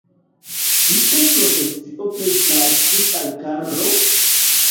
Kiu profesio plej plaĉis al Karlo?